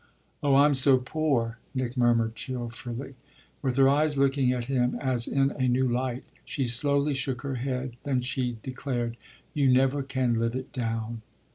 "Oh I'm so poor!" Nick murmured cheerfully. With her eyes looking at him as in a new light she slowly shook her head. Then she declared: "You never can live it down."